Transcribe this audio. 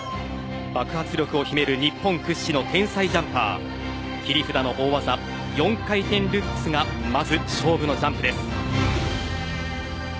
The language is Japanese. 爆発力を秘める日本屈指の天才ジャンパー切り札の大技４回転ルッツがまず勝負のジャンプです。